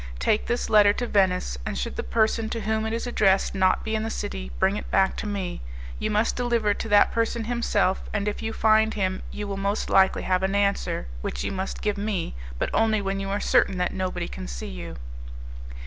Take this letter to Venice, and should the person to whom it is addressed not be in the city, bring it back to me. You must deliver it to that person himself, and if you find him you will most likely have an answer, which you must give me, but only when you are certain that nobody can see you."